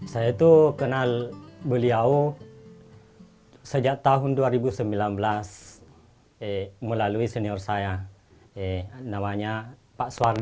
saya tuh kenal beliau sejak tahun dua ribu sembilan belas melalui senior saya namanya pak suharto